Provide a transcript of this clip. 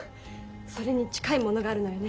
それに近いものがあるのよね。